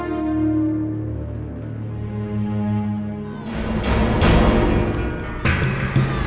sudah lama saya sekalian kembali bilih